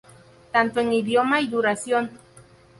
Tanto en idioma y duración.